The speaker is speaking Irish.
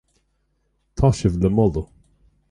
Tá sibh le moladh.